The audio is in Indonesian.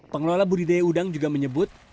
pengelola budidaya udang juga menyebut